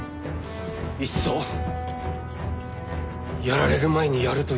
いっそやられる前にやるというのは？